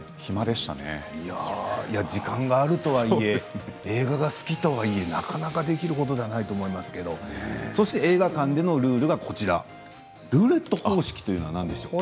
時間があるとはいえ映画が好きとはいえなかなかできることではないと思いますけれどもそして映画館のルールがルーレット方式というのはなんでしょうか。